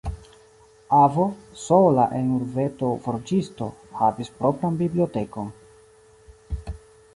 Avo, sola en urbeto forĝisto, havis propran bibliotekon.